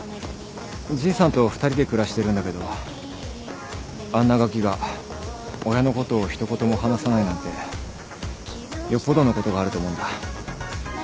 じいさんと２人で暮らしてるんだけどあんなガキが親のことを一言も話さないなんてよっぽどのことがあると思うんだ。